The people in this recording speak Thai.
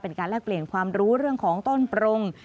แลกเปลี่ยนความรู้เรื่องของต้นปรง